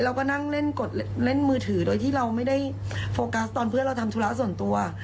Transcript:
เราก็นั่งเล่นกดเล่นมือถือโดยที่เราไม่ได้โฟกัสตอนเพื่อนเราทำธุระส่วนตัว